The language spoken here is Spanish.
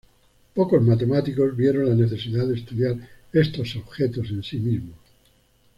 Pocos matemáticos vieron la necesidad de estudiar estos objetos en sí mismos.